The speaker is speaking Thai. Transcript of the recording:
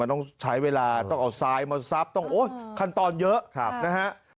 ต้องใช้เวลาต้องเอาทรายมาซับต้องโอ๊ยขั้นตอนเยอะนะฮะ